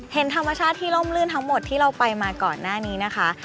เห็นธรรมชาติที่ล่มลื่นทั้งหมดที่เราไปมาก่อนหน้านี้นะคะ